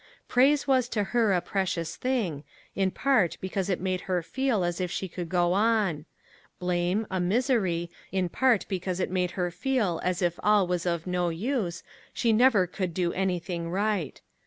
Praise was to her a precious thing, in part because it made her feel as if she could go on; blame, a misery, in part because it made her feel as if all was of no use, she never could do anything right.